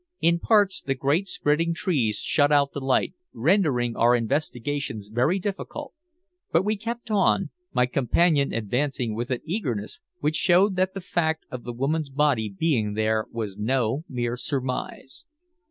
In parts, the great spreading trees shut out the light, rendering our investigations very difficult; but we kept on, my companion advancing with an eagerness which showed that the fact of the woman's body being there was no mere surmise.